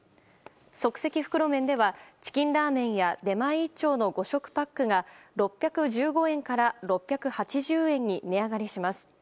即席袋麺では、チキンラーメンや出前一丁の５食パックが６１５円から６８０円に値上がりします。